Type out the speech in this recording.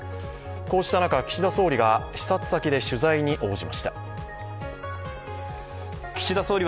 こうした中、岸田総理が視察先で取材に応じました。